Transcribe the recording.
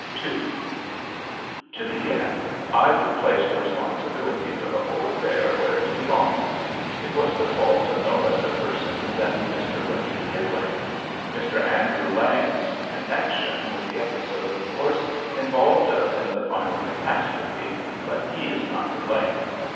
II To begin, I will place the responsibility for the whole affair where it belongs. It was the fault of no less a person than Mr. Rudyard Kipling. Mr. Andrew Lang's connection with the episode, of course, involved us in the final catastrophe, but he is not to blame.